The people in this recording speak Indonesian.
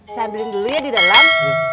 saya ambilin dulu ya di dalam